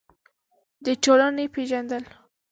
د ټولنې پېژندل: